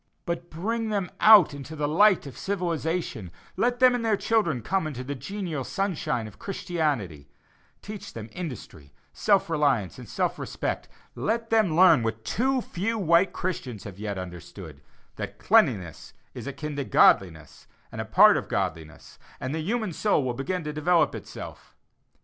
But bring them out into the light of civilization; let them and their children come into the genial sunshine of Christianity; teach them industry, self reliance, and self respect; let them learn what too few white Christians have yet understood, that cleanliness is akin to godliness, and a part of godliness; and the human soul will begin to develop itself.